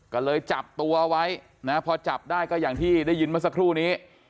ก็เลยจับตัวไว้นะพอจับได้ก็อย่างที่ได้ยินเมื่อสักครู่นี้